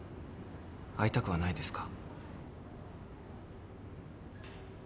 会いたくはないですか？